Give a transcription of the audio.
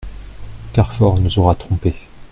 Carfor nous aura trompés.